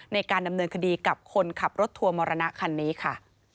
ในการดำเนินคดีกับคนขับรถทัวร์มรณะคันนี้ค่ะ